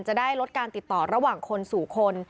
จะได้ลดการติดต่อระหว่างคนสู่คน